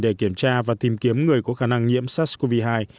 để kiểm tra và tìm kiếm người có khả năng nhiễm sars cov hai